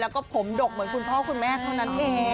แล้วก็ผมดกเหมือนคุณพ่อคุณแม่เท่านั้นเอง